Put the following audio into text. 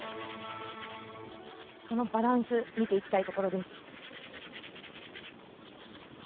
バランス見ていきたいところです。